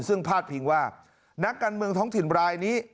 ซึ่งพาดพิงว่านักการเมืองท้องถิ่นรายนี้